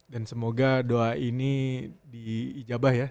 dan semoga doa ini diijabah ya